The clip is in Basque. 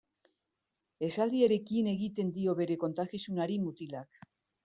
Esaldiarekin ekiten dio bere kontakizunari mutilak.